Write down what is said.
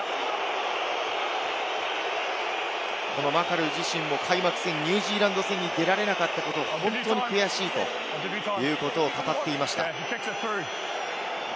マカルー自身も開幕戦ニュージーランド戦に出られなかったことを本当に悔しいということを語っていました。